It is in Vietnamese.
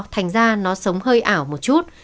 thành ra nó sống hơi ảo một chút